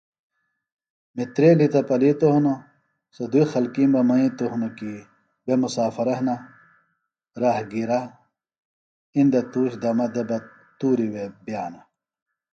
مِترئی تہ پلِتوۡ ہِنوۡ سےۡ دُئیۡ خلکیم بہ منِیتوۡ ہِنوۡ کیۡ بے مُسافرہ ہِنہ، راہگِیرہ اِندیۡ تُوش دمہ دےۡ بہ تُوریۡ وے بئانہ